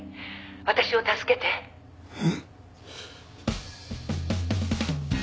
私を助けて」えっ。